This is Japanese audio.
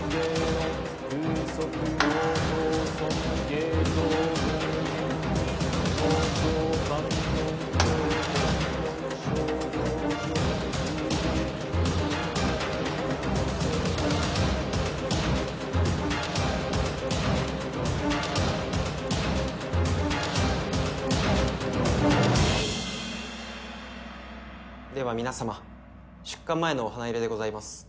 現在では皆さま出棺前のお花入れでございます。